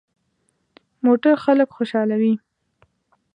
موټر خلک خوشحالوي.